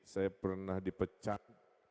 saya pernah dipecat